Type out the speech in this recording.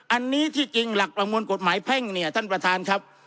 อันนี้ที่จริงหลักประมวลกฎหมายแพ่งเนี่ยท่านประธานครับ